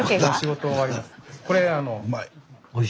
これうまい。